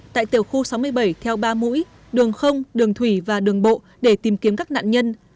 tại tiểu khu sáu mươi bảy theo ba mũi đường đường thủy và đường bộ để tìm kiếm các nạn nhân